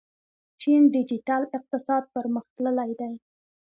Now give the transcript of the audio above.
چین ډیجیټل اقتصاد پرمختللی دی.